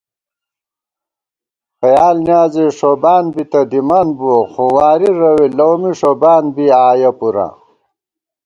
خیال نیازے ݭوبانبی تہ دِمان بُوَہ خو وارِی رَوےلَؤ می ݭوبان بی آیَہ پُراں